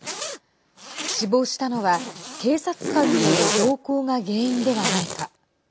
死亡したのは、警察官による暴行が原因ではないか。